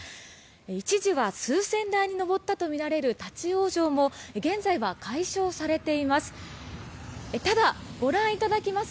一時は数千台に上ったとみられる立ち往生も現在は解消されています。